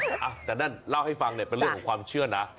แต่นั่นเล่าให้ฟังเนี่ยเป็นเรื่องของความเชื่อนะ